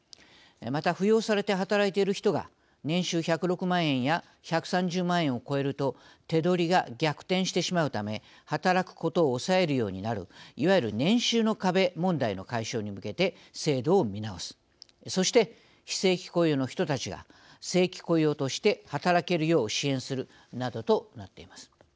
また、扶養されて働いている人が年収１０６万円や１３０万円を超えると手取りが逆転してしまうため働くことを抑えるようになるいわゆる年収の壁問題の解消に向けて制度を見直すそして、非正規雇用の人たちが正規雇用として働けるよう支援するなどとなっています。